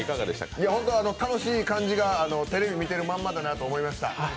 本当楽しい感じがテレビ見てるまんまだなと思いました。